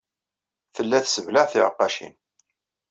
Tella tesseblaɛ tiɛeqqacin.